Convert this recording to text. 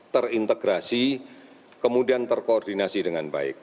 terintegrasi kemudian terkoordinasi dengan baik